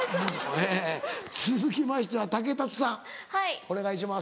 えぇ続きましては竹達さんお願いします。